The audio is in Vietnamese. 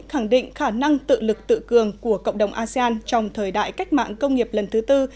khẳng định khả năng tự lực tự cường của cộng đồng asean trong thời đại cách mạng công nghiệp lần thứ tư